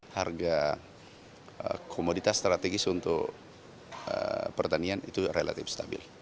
harga komoditas strategis untuk pertanian itu relatif stabil